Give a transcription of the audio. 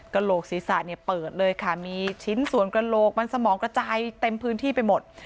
โหลกศีรษะเนี่ยเปิดเลยค่ะมีชิ้นส่วนกระโหลกมันสมองกระจายเต็มพื้นที่ไปหมด